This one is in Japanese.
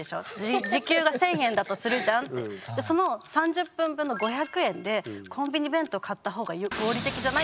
「じゃあその３０分ぶんの５００円でコンビニ弁当買った方が合理的じゃない？」